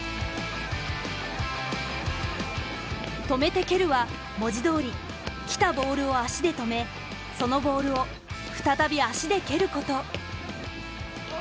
「止めて蹴る」は文字どおり来たボールを足で止めそのボールを再び足で蹴ること。